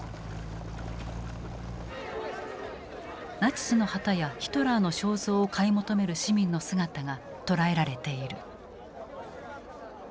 ナチスの旗やヒトラーの肖像を買い求める市民の姿が捉えられている。